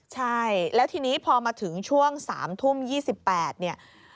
ใช่แล้วทีนี้พอมาถึงช่วง๓ทุ่ม๒๘เนี่ย